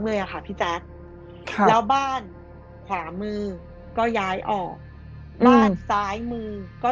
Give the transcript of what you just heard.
เลยค่ะพี่แจ๊คแล้วบ้านขวามือก็ย้ายออกบ้านซ้ายมือก็